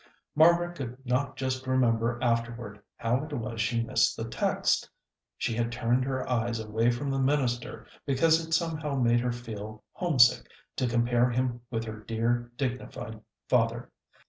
Margaret could not just remember afterward how it was she missed the text. She had turned her eyes away from the minister, because it somehow made her feel homesick to compare him with her dear, dignified father.